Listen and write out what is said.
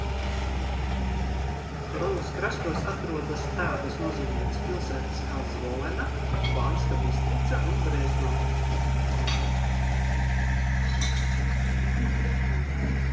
Hronas krastos atrodas tādas nozīmīgas pilsētas kā Zvolena, Banska Bistrica un Brezno.